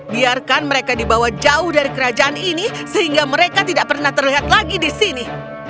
biarkan mereka dibawa jauh dari kerajaan ini sehingga mereka tidak pernah terlihat lagi di sini